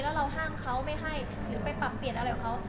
แล้วเราห้ามเขาไม่ให้หรือไปปรับเปลี่ยนอะไรของเขา